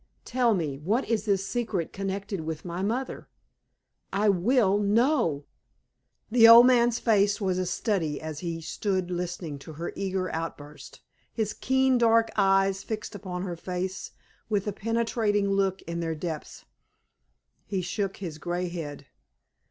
Tell me, what is this secret connected with my mother? I will know!" The old man's face was a study as he stood listening to her eager outburst, his keen, dark eyes fixed upon her face with a penetrating look in their depths. He shook his gray head.